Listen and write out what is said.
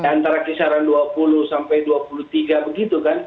antara kisaran dua puluh sampai dua puluh tiga begitu kan